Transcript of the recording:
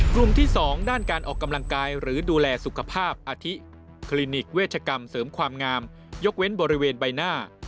กลุ่มที่๒ด้านการออกกำลังกายหรือดูแลสุขภาพอาทิคลินิกเวชกรรมเสริมความงามยกเว้นบริเวณใบหน้า